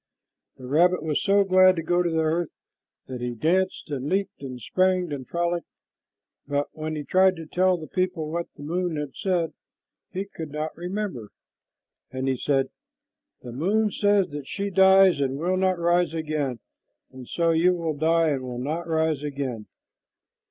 '" The rabbit was so glad to go to the earth that he danced and leaped and sprang and frolicked, but when he tried to tell the people what the moon had said, he could not remember, and he said, "The moon says that she dies and will not rise again, and so you will die and will not rise again."